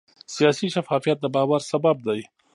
سیاسي شفافیت د باور سبب دی